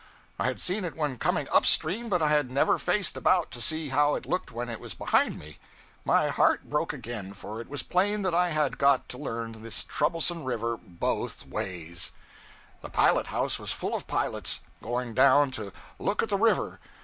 I had seen it when coming up stream, but I had never faced about to see how it looked when it was behind me. My heart broke again, for it was plain that I had got to learn this troublesome river both ways. The pilot house was full of pilots, going down to 'look at the river.'